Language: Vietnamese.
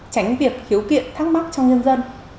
tránh việc khiếu kiện thắc mắc trong nhân dân